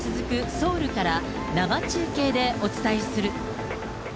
ソウルから生中継でお伝えする。